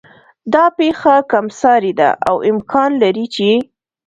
دا پېښه کم سارې ده او امکان لري چې